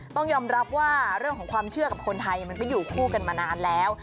ต้องยอมรับว่าเรื่องของความเชื่อกับคนไทยมันก็อยู่คู่กันมานานแล้ว